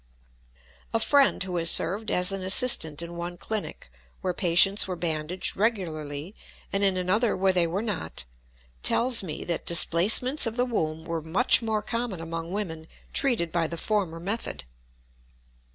A friend who has served as an assistant in one clinic where patients were bandaged regularly and in another where they were not, tells me that displacements of the womb were much more common among women treated by the former method.